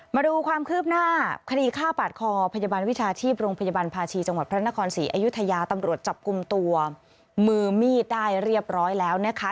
มาดูความคืบหน้าคดีฆ่าปาดคอพยาบาลวิชาชีพโรงพยาบาลภาชีจังหวัดพระนครศรีอยุธยาตำรวจจับกลุ่มตัวมือมีดได้เรียบร้อยแล้วนะคะ